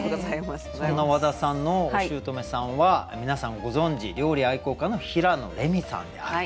そんな和田さんのおしゅうとめさんは皆さんご存じ料理愛好家の平野レミさんであると。